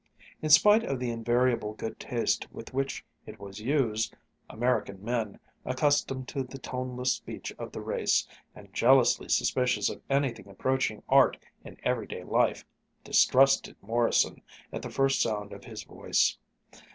In spite of the invariable good taste with which it was used, American men, accustomed to the toneless speech of the race, and jealously suspicious of anything approaching art in everyday life, distrusted Morrison at the first sound of his voice.